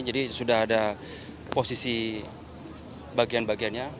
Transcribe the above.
jadi sudah ada posisi bagian bagiannya